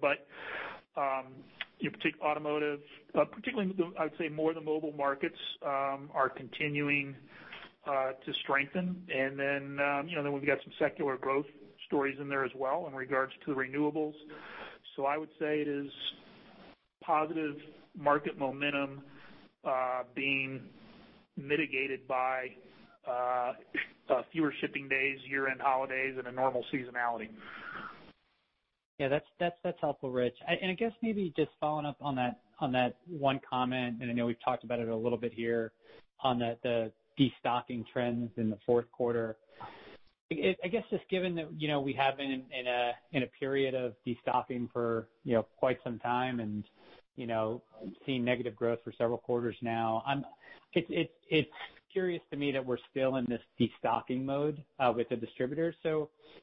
Particularly automotive, particularly, I'd say more of the mobile markets are continuing to strengthen. We've got some secular growth stories in there as well in regards to the renewables. I would say it is positive market momentum being mitigated by fewer shipping days, year-end holidays, and a normal seasonality. Yeah, that's helpful, Rich. I guess maybe just following up on that one comment, and I know we've talked about it a little bit here on the destocking trends in the fourth quarter. I guess, just given that we have been in a period of destocking for quite some time and seeing negative growth for several quarters now, it's curious to me that we're still in this destocking mode with the distributors.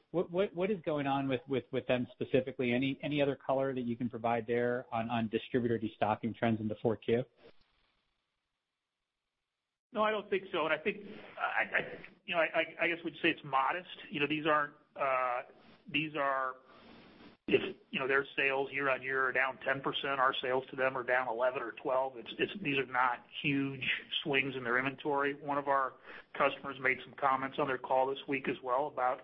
What is going on with them specifically? Any other color that you can provide there on distributor destocking trends into 4Q? No, I don't think so. I guess we'd say it's modest. If their sales year-on-year are down 10%, our sales to them are down 11% or 12%. These are not huge swings in their inventory. One of our customers made some comments on their call this week as well about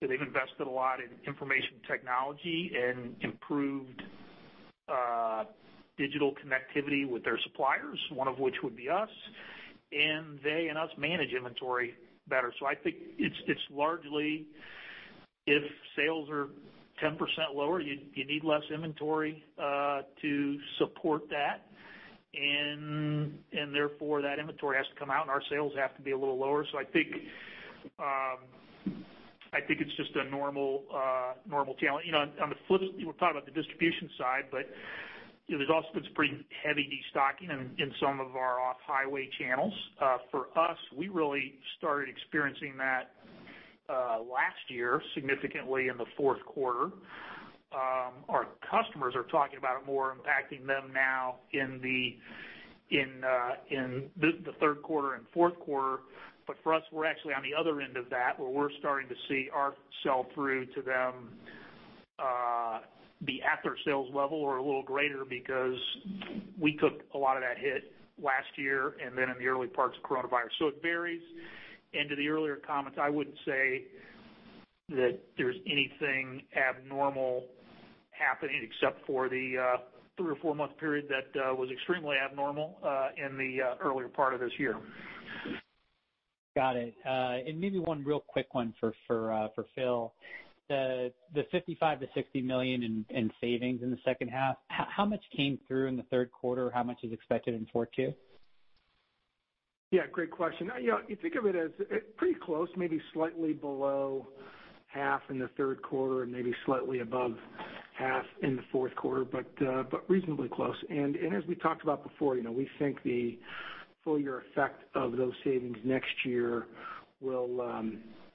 they've invested a lot in information technology and improved digital connectivity with their suppliers, one of which would be us, and they and us manage inventory better. I think it's largely if sales are 10% lower, you need less inventory to support that, and therefore, that inventory has to come out, and our sales have to be a little lower. I think it's just a normal. [inaudible] On the flip, we're talking about the distribution side, but there's also been some pretty heavy destocking in some of our off-highway channels. For us, we really started experiencing that last year significantly in the fourth quarter. Our customers are talking about it more impacting them now in the third quarter and fourth quarter. For us, we're actually on the other end of that, where we're starting to see our sell-through to them be at their sales level or a little greater because we took a lot of that hit last year and then in the early parts of coronavirus. It varies. To the earlier comments, I wouldn't say that there's anything abnormal happening except for the three or four month period that was extremely abnormal in the earlier part of this year. Got it. Maybe one real quick one for Phil. The $55 million-$60 million in savings in the second half, how much came through in the third quarter? How much is expected in 4Q? Yeah, great question. You think of it as pretty close, maybe slightly below half in the third quarter and maybe slightly above half in the fourth quarter, but reasonably close. As we talked about before, we think the full year effect of those savings next year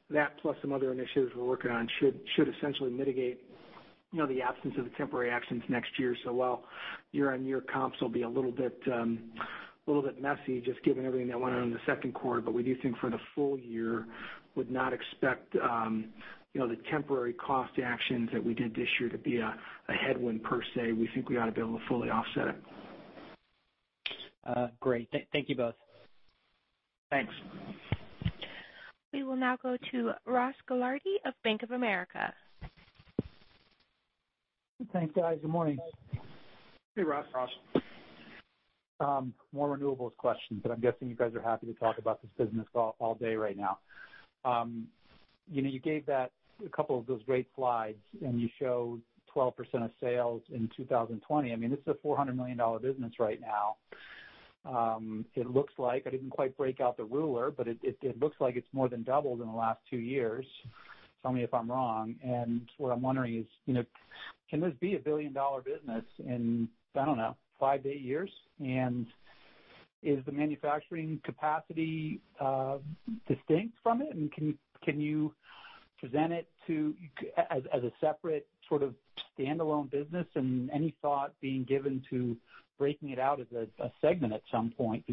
that plus some other initiatives we're working on should essentially mitigate the absence of the temporary actions next year. While year-on-year comps will be a little bit messy just given everything that went on in the second quarter. We do think for the full year would not expect the temporary cost actions that we did this year to be a headwind per se. We think we ought to be able to fully offset it. Great. Thank you both. Thanks. We will now go to Ross Gilardi of Bank of America. Thanks, guys. Good morning. Hey, Ross. Ross. More renewables questions. I'm guessing you guys are happy to talk about this business all day right now. You gave a couple of those great slides, you showed 12% of sales in 2020. This is a $400 million business right now. It looks like, I didn't quite break out the ruler, but it looks like it's more than doubled in the last two years. Tell me if I'm wrong. What I'm wondering is, can this be a billion-dollar business in, I don't know, five to eight years? Is the manufacturing capacity distinct from it, and can you present it as a separate sort of standalone business, and any thought being given to breaking it out as a segment at some point?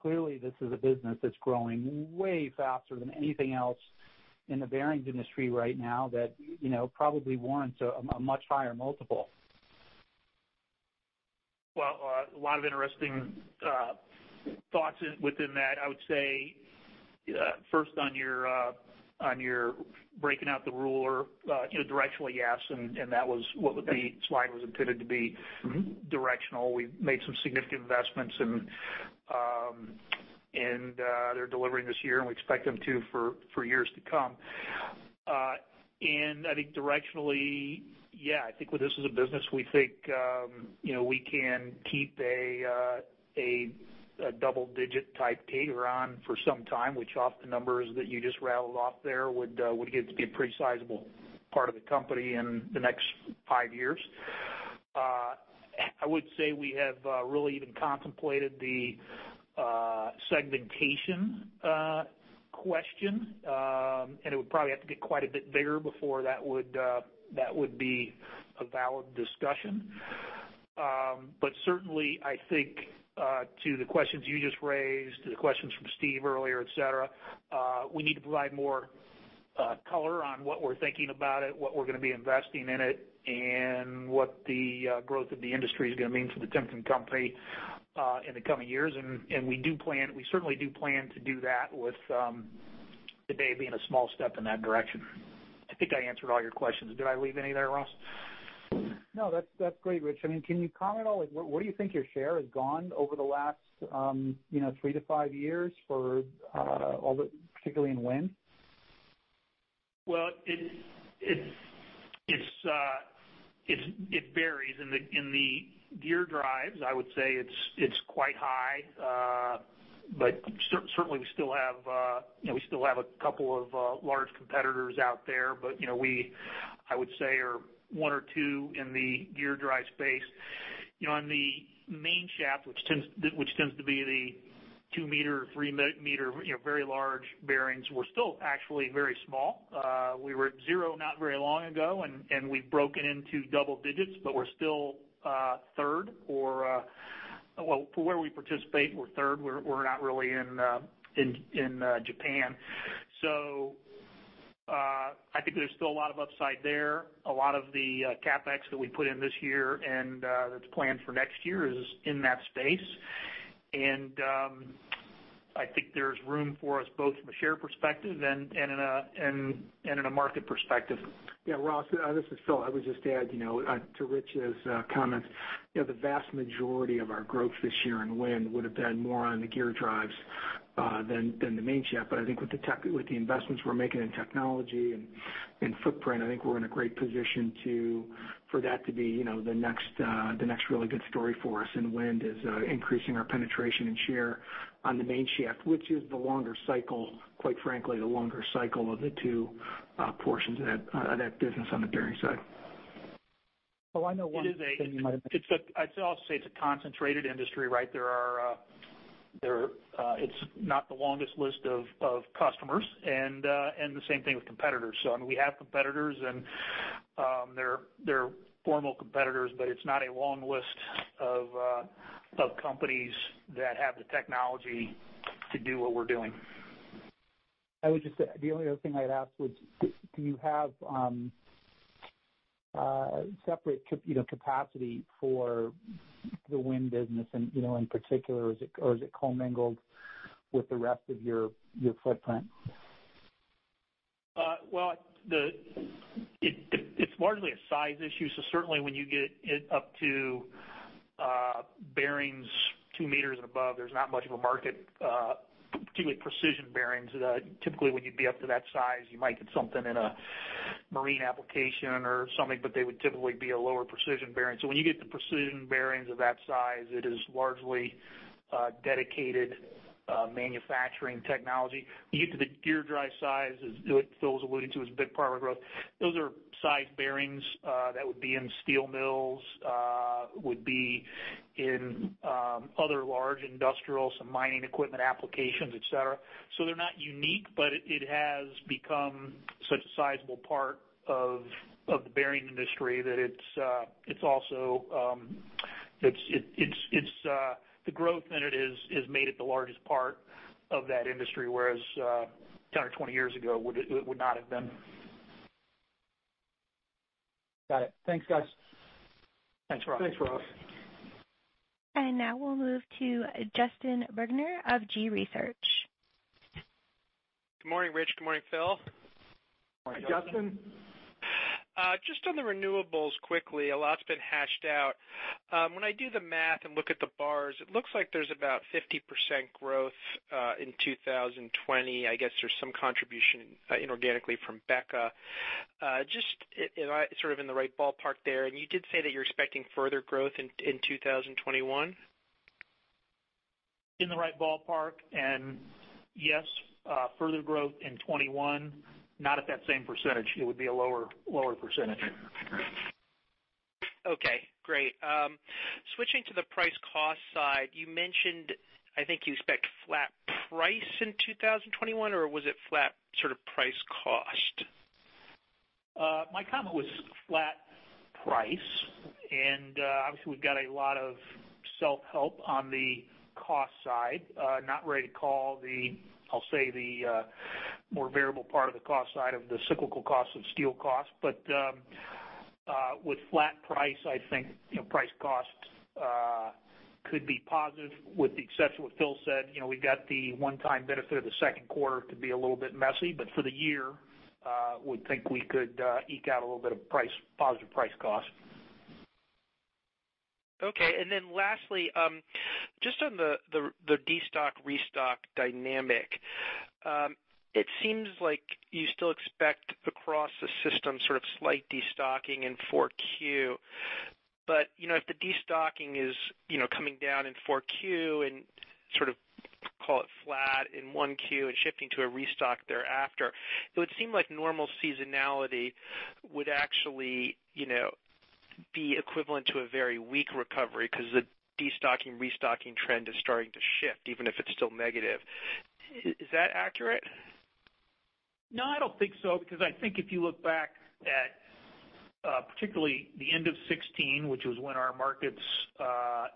Clearly this is a business that's growing way faster than anything else in the bearings industry right now that probably warrants a much higher multiple. Well, a lot of interesting thoughts within that. I would say, first on your breaking out the roll-up, directionally, yes, and that was what the slide was intended to be directional. We've made some significant investments, and they're delivering this year, and we expect them to for years to come. I think directionally, yeah, I think with this as a business, we think we can keep a double-digit type [inaudible] for some time, which off the numbers that you just rattled off there would get to be a pretty sizable part of the company in the next five years. I would say we have really even contemplated the segmentation question, and it would probably have to get quite a bit bigger before that would be a valid discussion. Certainly, I think to the questions you just raised, to the questions from Steve earlier, et cetera, we need to provide more color on what we're thinking about it, what we're going to be investing in it, and what the growth of the industry is going to mean for The Timken Company in the coming years. We certainly do plan to do that with today being a small step in that direction. I think I answered all your questions. Did I leave any there, Ross? No, that's great, Rich. Can you comment at all, where do you think your share has gone over the last three to five years, particularly in wind? Well, it varies. In the gear drives, I would say it's quite high. Certainly, we still have a couple of large competitors out there. We, I would say, are one or two in the gear drive space. On the main shaft, which tends to be the 2 m, 3 m, very large bearings, we're still actually very small. We were at zero not very long ago, and we've broken into double digits, we're still third, or where we participate, we're third. We're not really in Japan. I think there's still a lot of upside there. A lot of the CapEx that we put in this year and that's planned for next year is in that space. I think there's room for us both from a share perspective and in a market perspective. Yeah, Ross, this is Phil. I would just add to Rich's comments. The vast majority of our growth this year in wind would have been more on the gear drives than the main shaft. I think with the investments we're making in technology and footprint, I think we're in a great position for that to be the next really good story for us in wind is increasing our penetration and share on the main shaft, which is the longer cycle, quite frankly, of the two portions of that business on the bearing side. Oh, I know one thing you might have. I'd also say it's a concentrated industry, right? It's not the longest list of customers, and the same thing with competitors. I mean, we have competitors, and they're formal competitors, but it's not a long list of companies that have the technology to do what we're doing. I would just say, the only other thing I'd ask was, do you have separate capacity for the wind business, and in particular, or is it commingled with the rest of your footprint? Well, it's largely a size issue. Certainly when you get up to bearings 2 m and above, there's not much of a market, particularly precision bearings. Typically, when you'd be up to that size, you might get something in a marine application or something, they would typically be a lower precision bearing. When you get to precision bearings of that size, it is largely dedicated manufacturing technology. You get to the gear drive size, as Phil was alluding to, is a big part of our growth. Those are size bearings that would be in steel mills, would be in other large industrial, some mining equipment applications, et cetera. They're not unique, but it has become such a sizable part of the bearing industry that the growth in it has made it the largest part of that industry, whereas 10 or 20 years ago, it would not have been. Got it. Thanks, guys. Thanks, Ross. Thanks, Ross. Now we'll move to Justin Bergner of Gabelli Research. Good morning, Rich. Good morning, Phil. Morning, Justin. Morning. Just on the renewables quickly, a lot's been hashed out. When I do the math and look at the bars, it looks like there's about 50% growth, in 2020. I guess there's some contribution inorganically from BEKA. Just am I in the right ballpark there? You did say that you're expecting further growth in 2021? In the right ballpark, yes, further growth in 2021. Not at that same percentage. It would be a lower percentage. Okay, great. Switching to the price cost side, you mentioned I think you expect flat price in 2021, or was it flat price cost? My comment was flat price. Obviously, we've got a lot of self-help on the cost side. Not ready to call the, I'll say the more variable part of the cost side of the cyclical cost of steel. With flat price, I think price cost could be positive with the exception of what Phil said. We've got the one-time benefit of the second quarter to be a little bit messy. For the year, would think we could eke out a little bit of positive price cost. Okay. Lastly, just on the de-stock, restock dynamic. It seems like you still expect across the system slight de-stocking in 4Q. If the de-stocking is coming down in 4Q and call it flat in 1Q and shifting to a restock thereafter, it would seem like normal seasonality would actually be equivalent to a very weak recovery because the de-stocking, restocking trend is starting to shift, even if it's still negative. Is that accurate? No, I don't think so, because I think if you look back at particularly the end of 2016, which was when our markets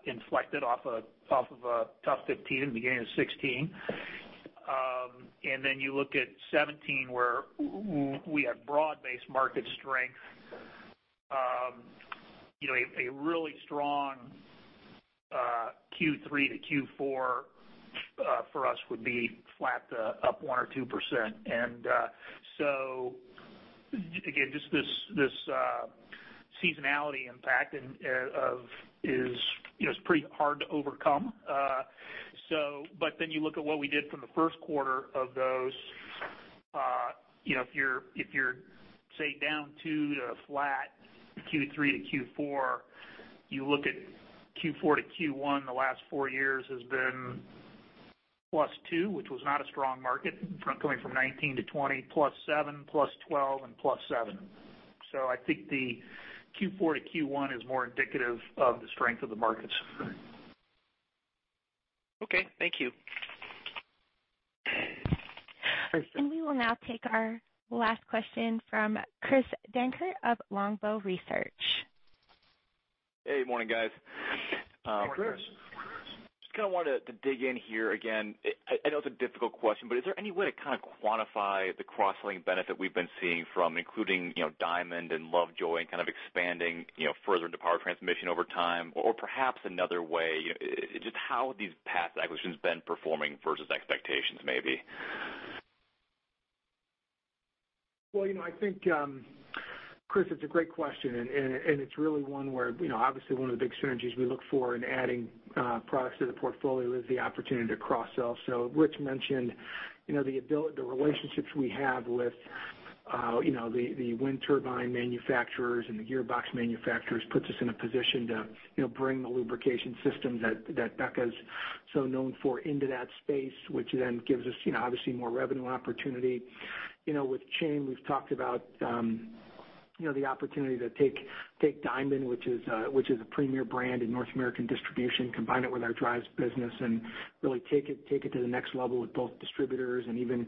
inflected off of a tough 2015 and beginning of 2016. Then you look at 2017, where we had broad-based market strength. A really strong Q3 to Q4 for us would be flat to up 1%-2%. Again, just this seasonality impact is pretty hard to overcome. Then you look at what we did from the first quarter of those, if you're, say, down 2% to flat Q3 to Q4, you look at Q4 to Q1 the last four years has been +2%, which was not a strong market going from 2019 to 2020, +7%, +12%, and +7%. I think the Q4 to Q1 is more indicative of the strength of the markets. Okay. Thank you. We will now take our last question from Chris Dankert of Longbow Research. Hey. Morning, guys. Hey, Chris. Hey, Chris. Just kind of wanted to dig in here again. I know it's a difficult question, but is there any way to kind of quantify the cross-selling benefit we've been seeing from including Diamond and Lovejoy and kind of expanding further into power transmission over time? Perhaps another way, just how these past acquisitions been performing versus expectations, maybe? I think, Chris, it's a great question, and it's really one where obviously one of the big synergies we look for in adding products to the portfolio is the opportunity to cross-sell. Rich mentioned the relationships we have with the wind turbine manufacturers and the gearbox manufacturers puts us in a position to bring the lubrication systems that BEKA's so known for into that space, which then gives us obviously more revenue opportunity. With chain, we've talked about the opportunity to take Diamond, which is a premier brand in North American distribution, combine it with our drives business and really take it to the next level with both distributors and even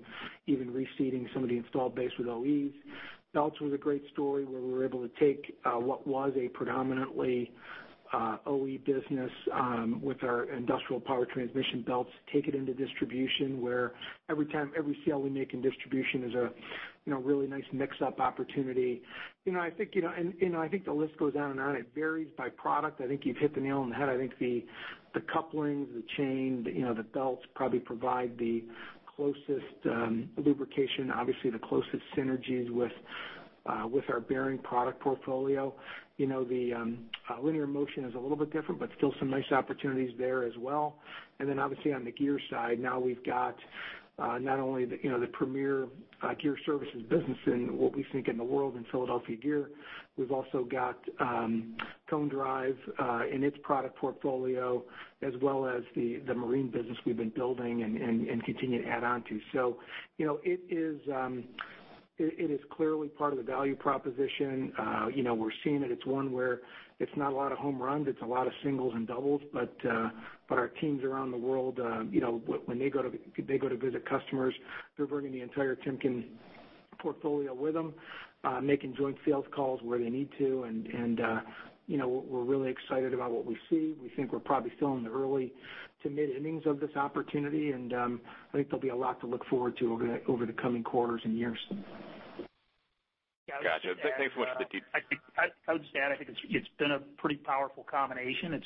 reseeding some of the installed base with OEs. Belts was a great story where we were able to take what was a predominantly OE business with our industrial power transmission belts, take it into distribution, where every sale we make in distribution is a really nice mix-up opportunity. I think the list goes on and on. It varies by product. I think you've hit the nail on the head. I think the couplings, the chain, the belts probably provide the closest lubrication, obviously the closest synergies with our bearing product portfolio. The linear motion is a little bit different, but still some nice opportunities there as well. Obviously on the gear side, now we've got not only the premier gear services business in what we think in the world in Philadelphia Gear, we've also got Cone Drive and its product portfolio, as well as the marine business we've been building and continue to add on to. It is clearly part of the value proposition. We're seeing that it's one where it's not a lot of home runs, it's a lot of singles and doubles. Our teams around the world, when they go to visit customers, they're bringing the entire Timken portfolio with them, making joint sales calls where they need to, and we're really excited about what we see. We think we're probably still in the early to mid-innings of this opportunity, and I think there'll be a lot to look forward to over the coming quarters and years. Gotcha. I would just add, I think it's been a pretty powerful combination.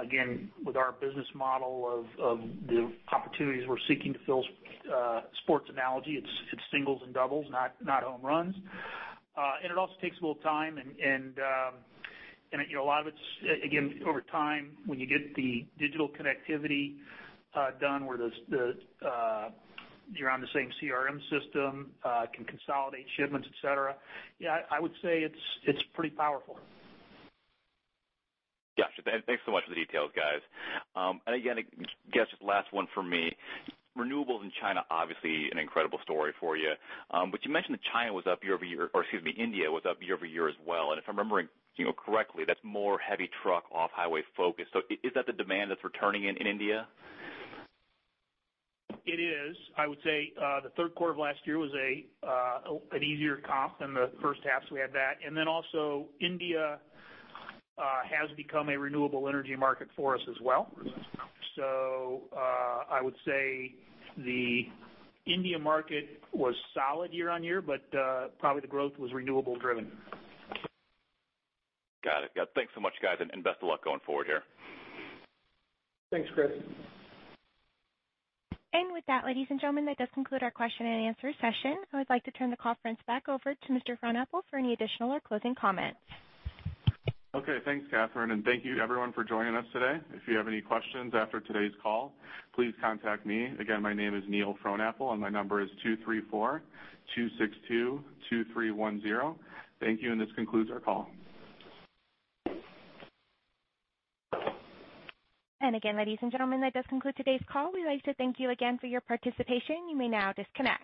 Again, with our business model of the opportunities we're seeking to fill, sports analogy, it's singles and doubles, not home runs. It also takes a little time, and a lot of it's, again, over time, when you get the digital connectivity done where you're on the same CRM system, can consolidate shipments, et cetera, yeah, I would say it's pretty powerful. Gotcha. Thanks so much for the details, guys. I guess last one from me, renewables in China, obviously an incredible story for you, but you mentioned that China was up year-over-year, or excuse me, India was up year-over-year as well. If I'm remembering correctly, that's more heavy truck off-highway focus. Is that the demand that's returning in India? It is. I would say the third quarter of last year was an easier comp than the first half. We had that. India has become a renewable energy market for us as well. I would say the India market was solid year-on-year, but probably the growth was renewable driven. Got it. Yeah, thanks so much, guys, and best of luck going forward here. Thanks, Chris. With that, ladies and gentlemen, that does conclude our question and answer session. I would like to turn the conference back over to Mr. Frohnapple for any additional or closing comments. Okay. Thanks, Catherine, and thank you everyone for joining us today. If you have any questions after today's call, please contact me. Again, my name is Neil Frohnapple, and my number is 234-262-2310. Thank you, and this concludes our call. Again, ladies and gentlemen, that does conclude today's call. We'd like to thank you again for your participation. You may now disconnect.